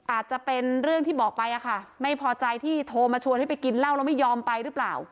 อาจจะเป็นเรื่องที่บอกไปอะค่ะไม่พอใจที่โทรมาชวนให้ไปกินเหล้าแล้วไม่ยอมไปหรือเปล่า